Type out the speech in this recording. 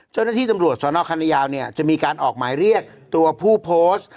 เจ้าหน้าที่ตำรวจสนคันยาวเนี่ยจะมีการออกหมายเรียกตัวผู้โพสต์